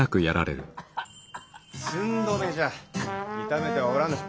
寸止めじゃ痛めてはおらぬ。